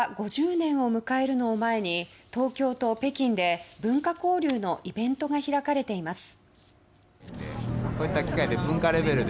５０年を迎えるのを前に東京と北京で、文化交流のイベントが開かれています。